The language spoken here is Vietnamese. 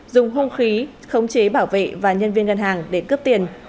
dùng hung khí khống chế bảo vệ và nhân viên ngân hàng để cướp tiền